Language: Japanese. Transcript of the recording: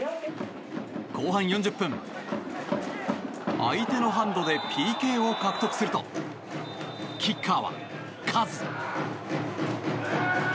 後半４０分相手のハンドでＰＫを獲得するとキッカーはカズ。